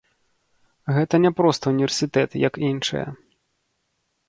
Гэта не проста ўніверсітэт як іншыя.